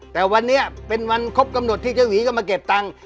แต่วันนี้เป็นวันครบกำหนดที่เจ๊หวีก็มาเก็บตังค์